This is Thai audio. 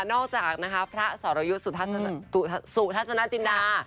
นอกจากพระสรยุสุทธาสนาจินดา